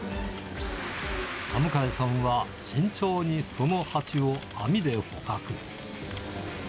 田迎さんは慎重にそのハチを網で捕獲。